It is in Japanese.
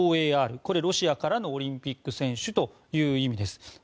ＯＡＲ、ロシアからのオリンピック選手という意味です。